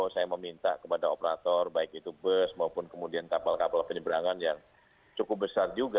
saya meminta kepada operator baik itu bus maupun kemudian kapal kapal penyeberangan yang cukup besar juga